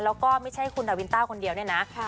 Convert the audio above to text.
แล้วก็ไม่ใช่คุณนาวินต้าคนเดียวเนี่ยนะ